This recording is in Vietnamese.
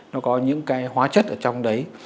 nó có những cái hóa chất ở trong đấy